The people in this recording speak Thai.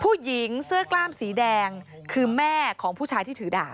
ผู้หญิงเสื้อกล้ามสีแดงคือแม่ของผู้ชายที่ถือดาบ